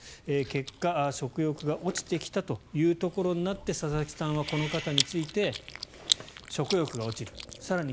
結果、食欲が落ちてきたというところになって佐々木さんはこの方について食欲が落ちる